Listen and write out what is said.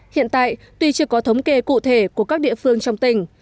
hiện tại tuy chưa có thống kê cụ thể của các địa phương trong tỉnh